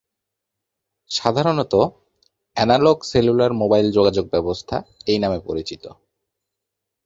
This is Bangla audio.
সাধারণত এনালগ সেলুলার মোবাইল যোগাযোগ ব্যবস্থা এই নামে পরিচিত।